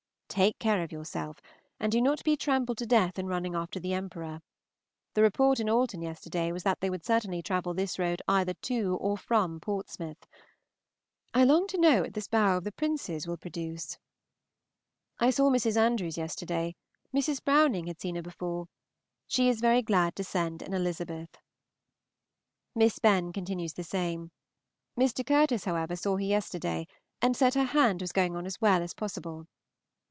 Take care of yourself, and do not be trampled to death in running after the Emperor. The report in Alton yesterday was that they would certainly travel this road either to or from Portsmouth. I long to know what this bow of the Prince's will produce. I saw Mrs. Andrews yesterday. Mrs. Browning had seen her before. She is very glad to send an Elizabeth. Miss Benn continues the same. Mr. Curtis, however, saw her yesterday, and said her hand was going on as well as possible.